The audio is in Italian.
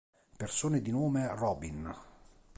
Persone di nome Robin